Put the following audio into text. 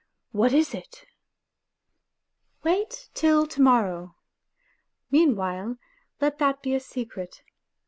What is it ?"" Wait till to morrow. Meanwhile, let that be a secret.